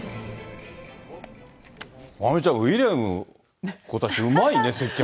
まおみちゃん、ウィリアム皇太子、うまいね、接客。